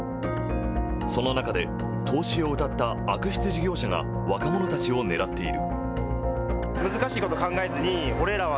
その中で投資をうたった悪質事業者が若者たちを狙っている。